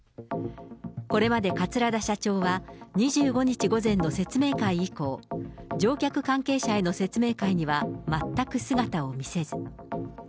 これまで桂田社長は、２５日午前の説明会以降、乗客関係者への説明会には全く姿を見せず。